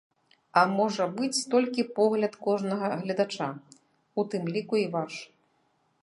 А можа быць толькі погляд кожнага гледача, у тым ліку і ваш.